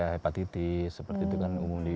hepatitis seperti itu kan umum